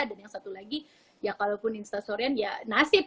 dan yang satu lagi ya kalaupun instastory an ya nasib